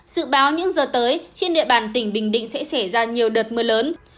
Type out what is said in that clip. sự báo những giờ tới trên địa bàn tỉnh bình định sẽ xảy ra nhiều đợt mưa lớn